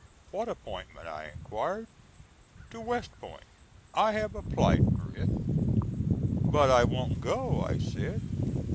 "What appointment?" I inquired. "To West Point; I have applied for it." "But I won't go," I said.